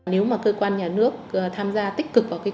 nếu mà cơ quan nhà nước tham gia tích cực vào kế hoạch